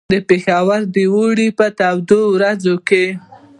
د پېښور د اوړي په تودو ورځو کې.